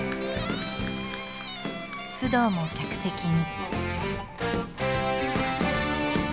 須藤も客席に。